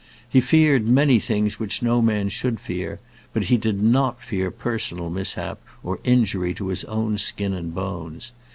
He feared many things which no man should fear; but he did not fear personal mishap or injury to his own skin and bones.